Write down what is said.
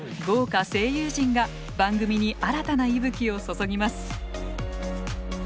豪華声優陣が番組に新たな息吹を注ぎます。